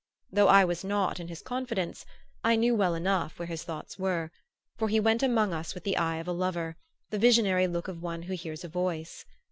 Though I was not in his confidence I knew well enough where his thoughts were, for he went among us with the eye of a lover, the visionary look of one who hears a Voice.